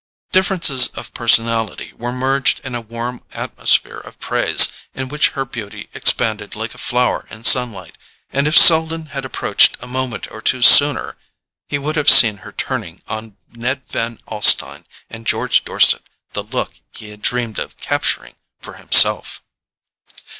Differences of personality were merged in a warm atmosphere of praise, in which her beauty expanded like a flower in sunlight; and if Selden had approached a moment or two sooner he would have seen her turning on Ned Van Alstyne and George Dorset the look he had dreamed of capturing for himself.